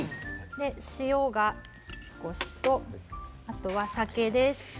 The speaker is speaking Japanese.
塩が少しと、あとは酒です。